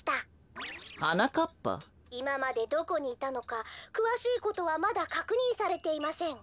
「いままでどこにいたのかくわしいことはまだかくにんされていません」。